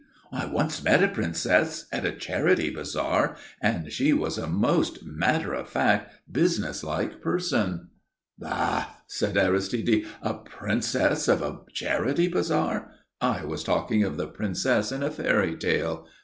"I once met a princess at a charity bazaar and she was a most matter of fact, businesslike person." "Bah!" said Aristide. "A princess of a charity bazaar! I was talking of the princess in a fairytale.